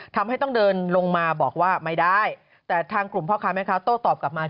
ทำให้ต้องเดินลงมาบอกว่าไม่ได้แต่ทางกลุ่มพ่อค้าแม่ค้าโต้ตอบกลับมา